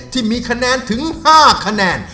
ที่มีคะแนนถึง๕คะแนน